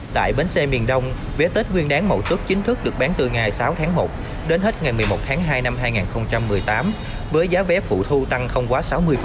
tại bến xe miền đông vé tết nguyên đáng mậu tuất chính thức được bán từ ngày sáu tháng một đến hết ngày một mươi một tháng hai năm hai nghìn một mươi tám với giá vé phụ thu tăng không quá sáu mươi